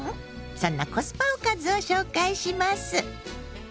そんなコスパおかずを紹介します。